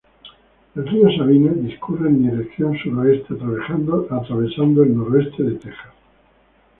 El río Sabine discurre en dirección sureste, atravesando el noreste de Texas.